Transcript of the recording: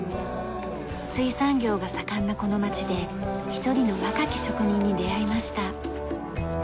水産業が盛んなこの町で一人の若き職人に出会いました。